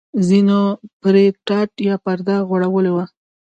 ځینو پرې ټاټ یا پرده غوړولې وه.